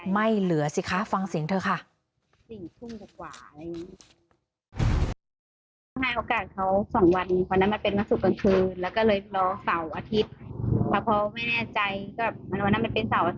ไม่เหลือสิคะฟังสินเถอะค่ะ